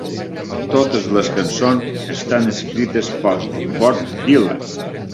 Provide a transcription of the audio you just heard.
Totes les cançons estan escrites per Bob Dylan.